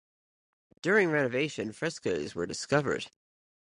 During renovation frescos were discovered.